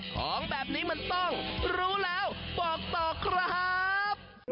ของแบบนี้มันต้องรู้แล้วบอกต่อครับ